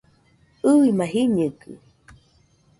ɨima jiñɨgɨ